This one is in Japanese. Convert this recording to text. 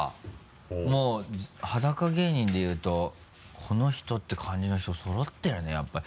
もう裸芸人でいうとこの人って感じの人そろってるねやっぱり。